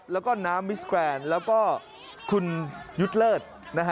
แล้วก็น้ำมิสแกรนแล้วก็คุณยุทธ์เลิศ